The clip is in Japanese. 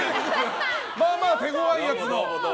まあまあ手ごわいやつの。